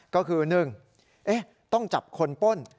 ก็คือ๑ต้องจับคนป้น